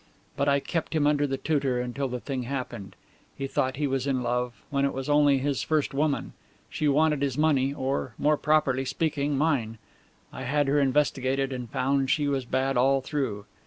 But I kept him under the tutor until the thing happened. He thought he was in love, when it was only his first woman. She wanted his money or, more properly speaking, mine. I had her investigated and found that she was bad all through.